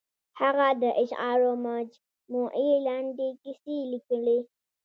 هغه د اشعارو مجموعې، لنډې کیسې لیکلي.